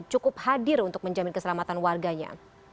cukup hadir untuk menjamin keselamatan warganya